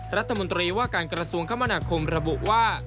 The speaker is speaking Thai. รัฐมนตรีว่าการกระทรวงคมนาคมระบุว่า